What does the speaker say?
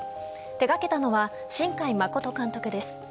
手がけたのは新海誠監督です。